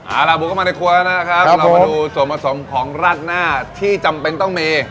อ่าล่ะบุ๊คก็มาในครัวแล้วนะครับครับผมเรามาดูส่วนผสมของราธนาที่จำเป็นต้องเมย์